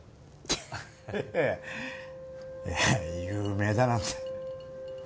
ハハいや有名だなんて。